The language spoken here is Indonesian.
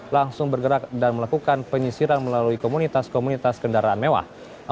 langsung bergerak dan melakukan penyisiran melalui komunitas komunitas kendaraan mewah